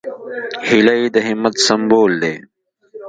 هیلۍ د همت سمبول ده